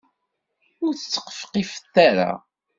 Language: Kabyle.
Ur ttqefqifet ara.